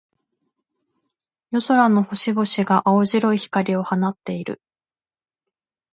夜空の星々が、青白い光を放っている。